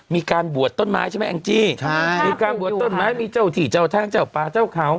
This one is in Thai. มีการบวชต้นไม้ใช่ไหมแองจี้ใช่มีการบวชต้นไม้มีเจ้าที่เจ้าทางเจ้าป่าเจ้าเขา